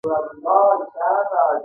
ایا زه خارج ته لاړ شم؟